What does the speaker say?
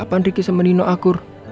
sejak kapan riki sama nino akur